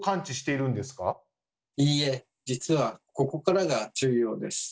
いいえ実はここからが重要です。